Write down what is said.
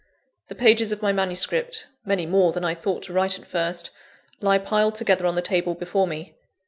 The pages of my manuscript (many more than I thought to write at first) lie piled together on the table before me.